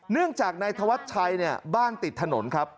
เนื่องจากนายธวัชชัยเนี่ยบ้านติดถนนครับ